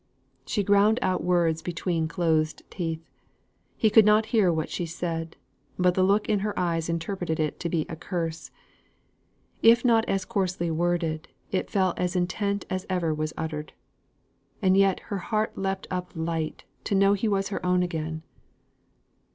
She ground out words between her closed teeth. He could not hear what she said; but the look in her eyes interpreted it to be a curse, if not as coarsely worded, as fell in intent as ever was uttered. And yet her heart leapt up light, to know he was her own again.